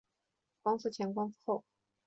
光复前光复后